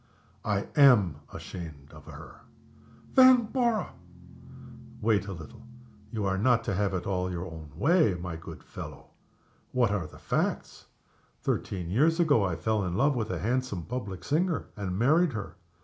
"I am ashamed of her." "Vanborough!" "Wait a little! you are not to have it all your own way, my good fellow. What are the facts? Thirteen years ago I fell in love with a handsome public singer, and married her.